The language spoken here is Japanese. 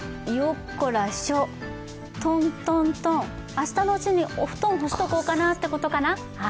明日のうちにお布団干しておこうということかな。